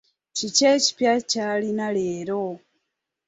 Kiki ekipya ky'alina leero?